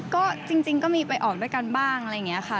ก็จริงก็มีไปออกด้วยกันบ้างอะไรอย่างนี้ค่ะ